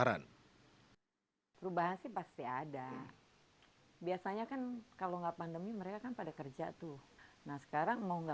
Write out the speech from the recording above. lalu bagaimana cara menguruskan kekuatan rumah tangga